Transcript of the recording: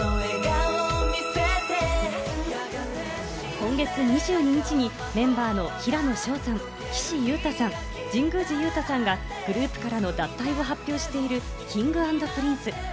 今月２２日にメンバーの平野紫耀さん、岸優太さん、神宮寺勇太さんがグループからの脱退を発表しているＫｉｎｇ＆Ｐｒｉｎｃｅ。